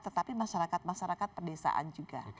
tetapi masyarakat masyarakat perdesaan juga